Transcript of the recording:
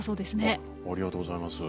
ありがとうございます。